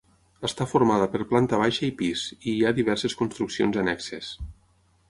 Està formada per planta baixa i pis, i hi ha diverses construccions annexes.